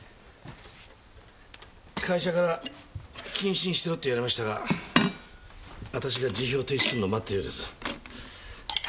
会社から謹慎してろって言われましたが私が辞表提出するの待ってるようです。